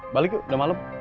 balik yuk udah malem